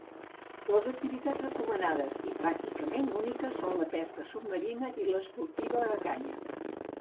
Les activitats recomanades, i pràcticament úniques, són la pesca submarina i l'esportiva a canya.